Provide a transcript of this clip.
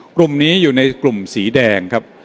กลุ่มนี้อยู่ในกลุ่มสีแดงครับ